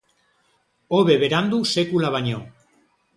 Hobe berandu sekula baino.